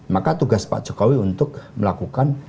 maka tugas pak jokowi untuk melakukan